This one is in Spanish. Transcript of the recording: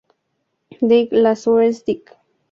Dig, Lazarus, Dig!!!